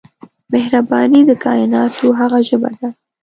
مهرباني د کایناتو هغه ژبه ده